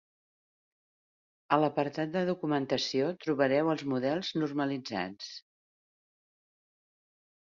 A l'apartat de Documentació trobareu els models normalitzats.